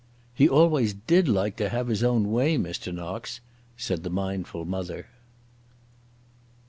"He always did like to have his own way, Mr. Knox," said the mindful mother.